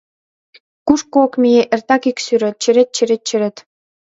Кушко ок мие — эртак ик сӱрет: черет, черет, черет...